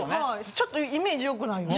ちょっとイメージ良くないよね。